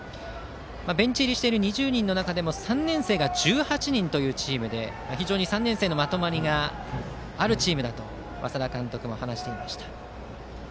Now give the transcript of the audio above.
ベンチ入りしている２０人の中でも３年生が１８人という人数で非常に３年生のまとまりがあるチームだと稙田監督も話していました。